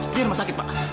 biar masakit pak